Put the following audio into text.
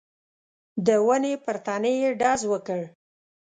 د ونې پر تنې يې ډز وکړ.